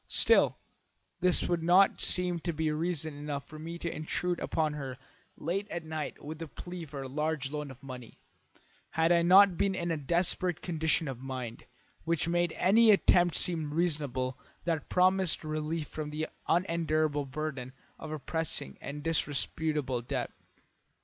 Still, this would not seem to be reason enough for me to intrude upon her late at night with a plea for a large loan of money, had I not been in a desperate condition of mind, which made any attempt seem reasonable that promised relief from the unendurable burden of a pressing and disreputable debt.